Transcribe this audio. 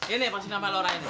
ini pasti nama lora ini